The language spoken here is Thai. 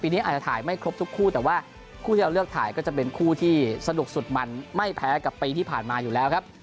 นี้อาจจะถ่ายไม่ครบทุกคู่แต่ว่าคู่ที่เราเลือกถ่ายก็จะเป็นคู่ที่สนุกสุดมันไม่แพ้กับปีที่ผ่านมาอยู่แล้วครับ